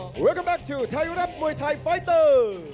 สวัสดีที่กลับมาไทยรัฐมวยไทยไฟตเตอร์